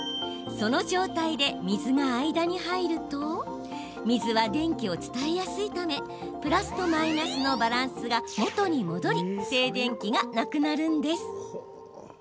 その状態で水が間に入ると水は電気を伝えやすいためプラスとマイナスのバランスが元に戻り静電気がなくなるんです。